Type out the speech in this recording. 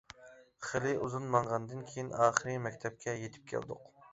خېلى ئۇزۇن ماڭغاندىن كېيىن ئاخىرى مەكتەپكە يېتىپ كەلدۇق.